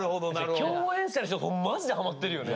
共演者の人とかマジでハマってるよね。